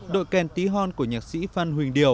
đội kèn tí hon của nhạc sĩ phan huỳnh điều